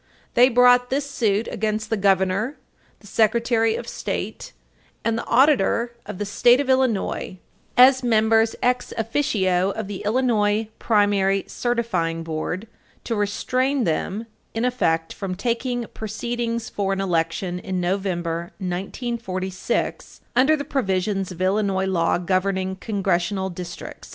They brought this suit against the Governor, the Secretary of State, and the Auditor of the State of Illinois, as members ex officio of the Illinois Primary Certifying Board, to restrain them, in effect, from taking proceedings for an election in November, 1946, under the provisions of Illinois law governing Congressional districts.